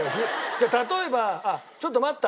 例えばちょっと待った。